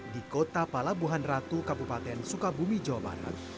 di kota palabuhan ratu kabupaten sukabumi jawa barat